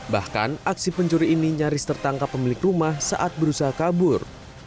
bahkan aksi pencuri ini nyaris tertangkap pemilik rumah saat berusaha kabur